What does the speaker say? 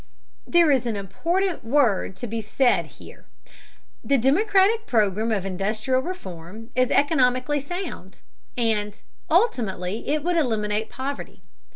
There is an important word to be said here. The democratic program of industrial reform is economically sound, and ultimately it would eliminate poverty.